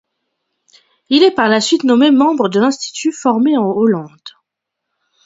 Il est par la suite nommé membre de l'Institut formé en Hollande.